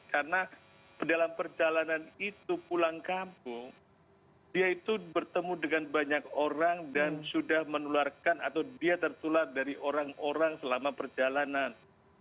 karena dalam perjalanan itu pulang kampung dia itu bertemu dengan banyak orang dan sudah menularkan atau dia tertular dari orang orang selama perjalanan